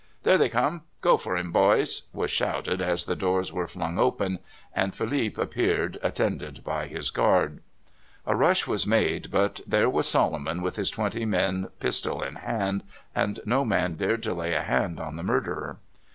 "There they come! go for him, boys! " was lO CALIFORNIA SKETCHES. shouted as the doors were flung open, and FeHpe appeared, attended by his guard. A rush was made, but there was Solomon with his twenty men pistol in hand, and no man dared to lay a hand on the murderer.